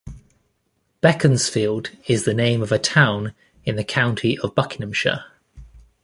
Beaconsfield is the name of a town in the county of Buckinghamshire.